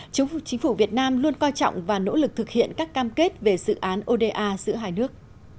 chính phủ việt nam luôn coi trọng và nỗ lực thực hiện các cam kết về dự án oda giữa hai nước